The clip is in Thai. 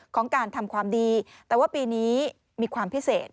ของการทำความดีแต่ว่าปีนี้มีความพิเศษ